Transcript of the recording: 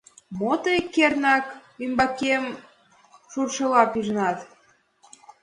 Мо тый кернак ӱмбакем шуршыла пижынат?